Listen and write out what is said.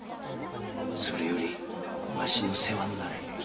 それよりわしの世話になれ。